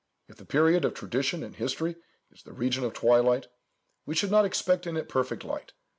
If the period of tradition in history is the region of twilight, we should not expect in it perfect light.